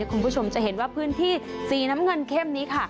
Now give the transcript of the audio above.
คุณผู้ชมจะเห็นว่าพื้นที่สีน้ำเงินเข้มนี้ค่ะ